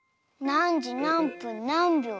なんじなんぷんなんびょう？